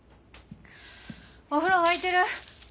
お風呂沸いてる？